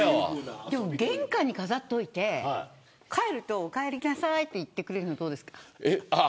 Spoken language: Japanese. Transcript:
玄関に飾っておいて帰ると、お帰りなさいって言うのはどうですか。